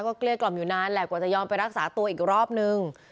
ก็เกลี้ยกล่อมอยู่นานแหละกว่าจะยอมไปรักษาตัวอีกรอบนึง